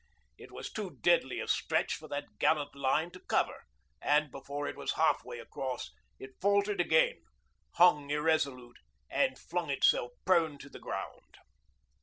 It was too deadly a stretch for that gallant line to cover; and before it was half way across, it faltered again, hung irresolute, and flung itself prone to ground.